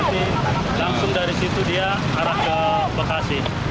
ini langsung dari situ dia arah ke bekasi